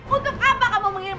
untuk apa kamu mengirim